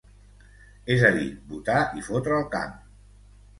És a dir, votar i fotre el camp.